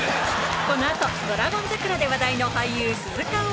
この後『ドラゴン桜』で話題の俳優鈴鹿央士